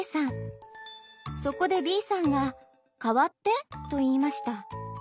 そこでＢさんが「代わって」と言いました。